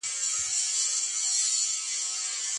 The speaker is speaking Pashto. د قرآن کريم په آياتونو کي د زوجينو د حقوقو وضاحت شته؟